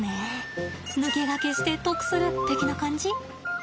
抜け駆けして得する的な感じ？